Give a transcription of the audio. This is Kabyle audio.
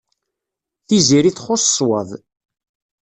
Tiziri txuṣṣ ṣṣwab.